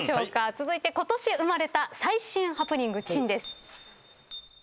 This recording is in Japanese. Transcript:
続いてことし生まれた最新ハプニング珍です。